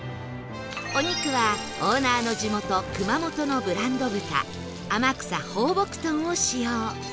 お肉はオーナーの地元熊本のブランド豚あまくさ宝牧豚を使用